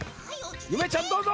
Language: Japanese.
ゆめちゃんどうぞ。